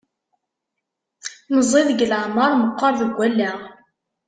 Meẓẓi deg leεmer, meqqer deg allaɣ.